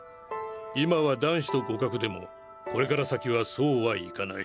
今は男子と互角でもこれから先はそうはいかない。